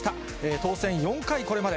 当選４回、これまで。